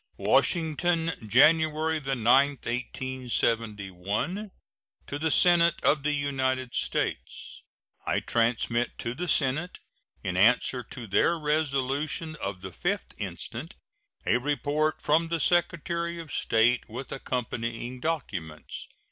] WASHINGTON, January 9, 1871. To the Senate of the United States: I transmit to the Senate, in answer to their resolution of the 5th instant, a report from the Secretary of State, with accompanying documents.